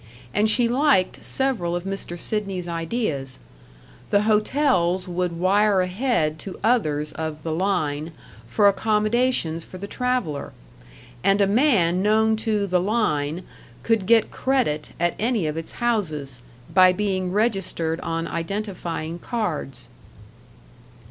And she liked several of Mr. Sidney's ideas: The hotels would wire ahead to others of the Line for accommodations for the traveler; and a man known to the Line could get credit at any of its houses, by being registered on identifying cards.